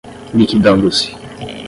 liquidando-se